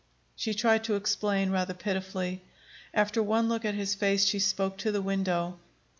She tried to explain, rather pitifully. After one look at his face, she spoke to the window.